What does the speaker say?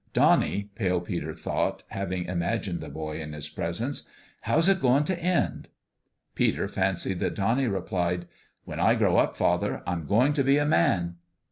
" Donnie," Pale Peter thought, having imagined the boy in his presence, "how's it going to end ?" Peter fancied that Donnie replied : "When I grow up, father, I'm going to be a man."